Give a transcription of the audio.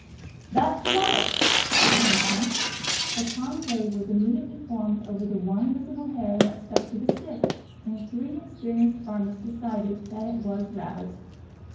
"That's rabbit," said the huntsman. A conclave was immediately formed over the one visible hair that stuck to the stick, and three experienced farmers decided that it was rabbit.